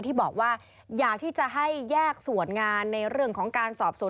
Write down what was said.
ที่บอกว่าอยากที่จะให้แยกส่วนงานในเรื่องของการสอบสวน